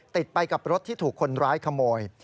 ติดไปกับรถที่ถูกคนร้ายขโมย